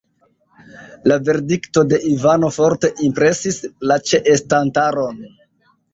La verdikto de Ivano forte impresis la ĉeestantaron.